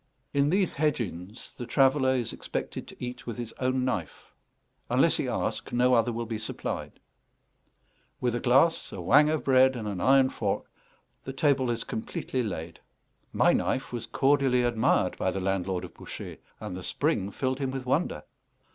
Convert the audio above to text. In these hedge inns the traveller is expected to eat with his own knife; unless he ask, no other will be supplied: with a glass, a whang of bread, and an iron fork, the table is completely laid. My knife was cordially admired by the landlord of Bouchet, and the spring filled him with wonder.